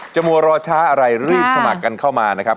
มัวรอช้าอะไรรีบสมัครกันเข้ามานะครับ